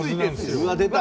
うわっ出た！